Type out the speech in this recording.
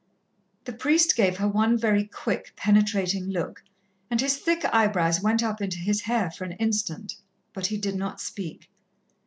The priest gave her one very quick, penetrating look, and his thick eyebrows went up into his hair for an instant, but he did not speak.